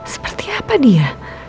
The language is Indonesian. seperti apa dia